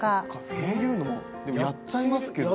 そういうのでもやっちゃいますけどね。